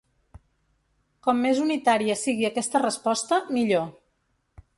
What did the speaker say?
Com més unitària sigui aquesta resposta, millor.